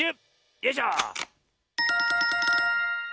よいしょ。